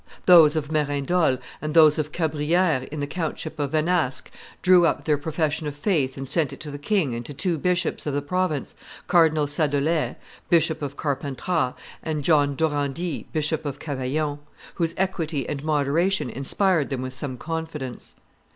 Those of Merindol and those of Cabriere in the countship of Venasque drew up their profession of faith and sent it to the king and to two bishops of the province, Cardinal Sadolet, Bishop of Carpentras, and John Durandi, Bishop of Cavaillon, whose equity and moderation inspired them with some confidence.